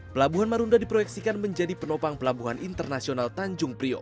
pelabuhan marunda diproyeksikan menjadi penopang pelabuhan internasional tanjung priok